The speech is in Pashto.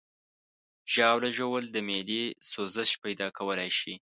ژاوله ژوول د معدې سوزش پیدا کولی شي.